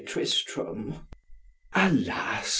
Tristram. ——Alas!